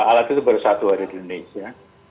alat itu baru satu ada di indonesia